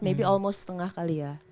maybe almost setengah kali ya